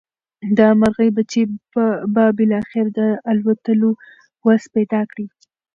د مرغۍ بچي به بالاخره د الوتلو وس پیدا کړي.